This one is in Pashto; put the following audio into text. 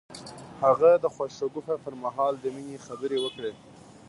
هغه د خوښ شګوفه پر مهال د مینې خبرې وکړې.